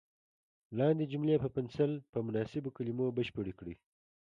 لاندې جملې په پنسل په مناسبو کلمو بشپړې کړئ.